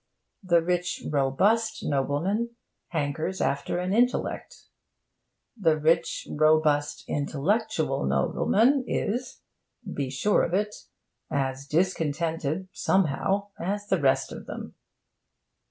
The rich, robust nobleman hankers after an intellect. The rich, robust, intellectual nobleman is (be sure of it) as discontented, somehow, as the rest of them.